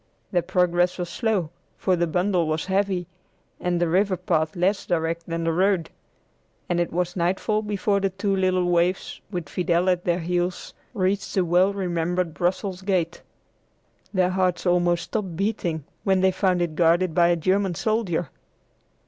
Their progress was slow, for the bundle was heavy, and the river path less direct than the road, and it was nightfall before the two little waifs, with Fidel at their heels, reached the well remembered Brussels gate. Their hearts almost stopped beating when they found it guarded by a German soldier.